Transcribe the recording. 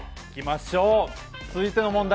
続いての問題